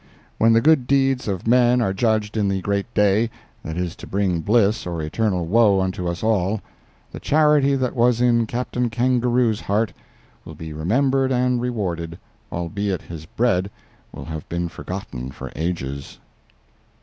When the good deeds of men are judged in the Great Day that is to bring bliss or eternal woe unto us all, the charity that was in Captain Kangaroo's heart will be remembered and rewarded, albeit his bread will have been forgotten for ages.